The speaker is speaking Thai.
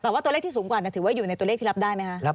แต่ว่าตัวเลขที่สูงกว่าถือว่าอยู่ในตัวเลขที่รับได้ไหมคะ